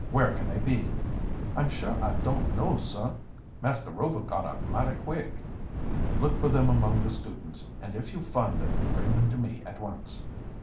Where can they be?" "I'm sure I don't know, sir. Master Rover got out mighty quick." "Look for them among the students, and if you find them bring them to me at once."